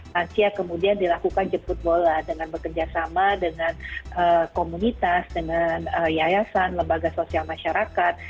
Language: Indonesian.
lansia kemudian dilakukan jemput bola dengan bekerjasama dengan komunitas dengan yayasan lembaga sosial masyarakat